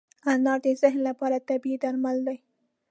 انار د ذهن لپاره طبیعي درمل دی.